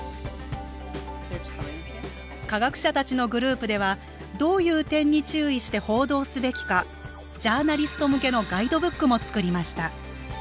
科学者たちのグループではどういう点に注意して報道すべきかジャーナリスト向けのガイドブックも作りました